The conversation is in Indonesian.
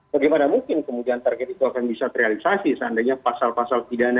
bagaimana mungkin kemudian target itu akan bisa terrealisasi seandainya pasal pasal pidana